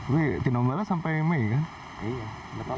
we tinombala sampai mei kan